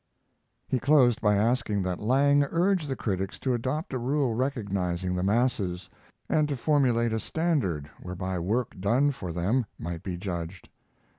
He closed by asking that Lang urge the critics to adopt a rule recognizing the masses, and to formulate a standard whereby work done for them might be judged.